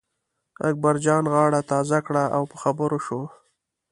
اکبرجان غاړه تازه کړه او په خبرو شو.